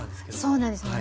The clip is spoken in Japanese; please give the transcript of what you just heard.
そうなんですよ。